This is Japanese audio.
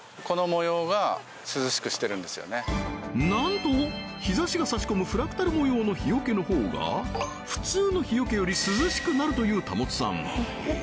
なんと日差しが差し込むフラクタル模様の日よけのほうが普通の日よけより涼しくなるという保さんえ